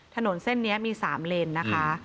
ถนนเส้นนี้มี๓เลนนะคะ